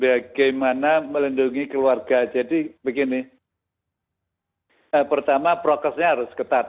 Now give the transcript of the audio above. bagaimana melindungi keluarga jadi begini pertama prokesnya harus ketat